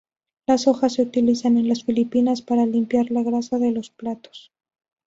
Las hojas se utilizan en las Filipinas para limpiar la grasa de los platos.